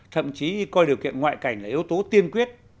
thậm chí coi điều kiện ngoại cảnh là yếu tố tiên quyết